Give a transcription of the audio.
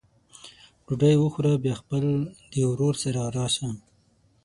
ډوډۍ وخوره بیا خپل د ورور سره راسه!